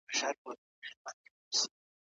د عبدالباري جهاني ورځ د فبرورۍ په میاشت کې ده.